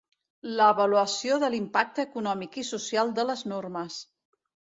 L'avaluació de l'impacte econòmic i social de les normes.